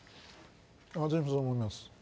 私はそう思います。